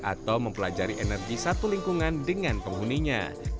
atau mempelajari energi satu lingkungan dengan penghuninya